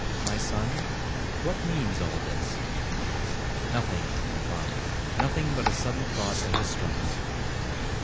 'My son, what means all this?' 'Nothing, my father—nothing but a sudden thought that has struck me.'